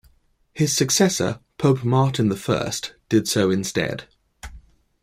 His successor, Pope Martin the First, did so instead.